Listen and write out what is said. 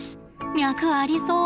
脈ありそう。